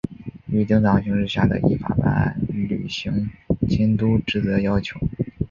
与正常形势下的依法办案、履行监督职责要求